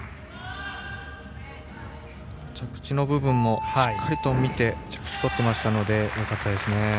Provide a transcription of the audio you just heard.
着地の部分もしっかりと見て着地をとっていましたのでよかったですね。